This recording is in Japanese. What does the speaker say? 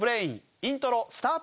イントロスタート！